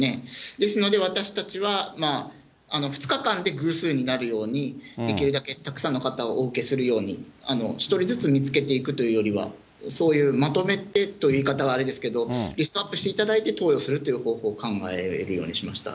ですので私たちは２日間で偶数になるように、できるだけたくさんの方をお受けするように、１人ずつ見つけていくというよりは、そういうまとめてという言い方はあれですけど、リストアップしていただいて、投与するという方法を考えるようにしました。